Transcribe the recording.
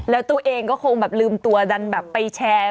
แล้วตัวเองก็คงแบบลืมตัวดันแบบไปแชร์